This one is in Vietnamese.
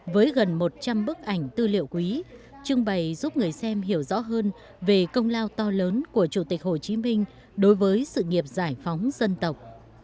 với gần một trăm linh bức ảnh tư liệu quý trưng bày giúp người xem hiểu rõ hơn về công lao to lớn của chủ tịch hồ chí minh đối với sự nghiệp giải phóng dân tộc